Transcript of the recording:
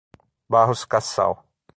Barros Cassal